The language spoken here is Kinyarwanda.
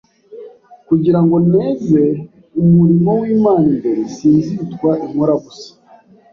kugira ngo nteze umurimo w’Imana imbere. Sinzitwa inkorabusa.”